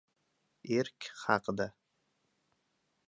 Эрк ҳақида